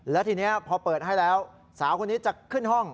แล้วทีนี้พอเปิดให้แล้วสาวคนนี้จะขึ้นห้อง